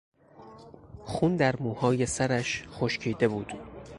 خون در موهای سرش خشکیده بود.